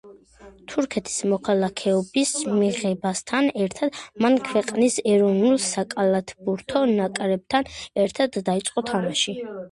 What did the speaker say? თურქეთის მოქალაქეობის მიღებასთან ერთად, მან ქვეყნის ეროვნულ საკალათბურთო ნაკრებთან ერთად დაიწყო თამაში.